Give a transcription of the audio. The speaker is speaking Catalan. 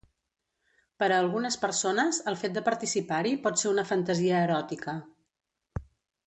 Per a algunes persones, el fet de participar-hi pot ser una fantasia eròtica.